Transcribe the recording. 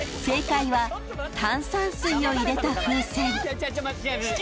［正解は炭酸水を入れた風船］